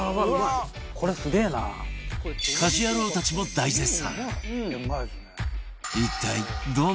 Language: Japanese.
家事ヤロウたちも大絶賛！